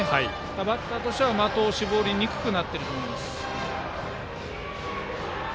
バッターとしては的を絞りにくくなっていると思います。